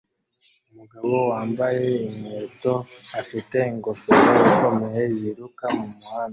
Umugabo wambaye inkweto afite ingofero ikomeye yiruka mumuhanda